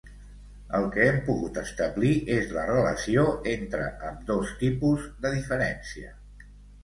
El que hem pogut establir és la relació entre ambdós tipus de diferència.